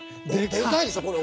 でかいでしょこれ。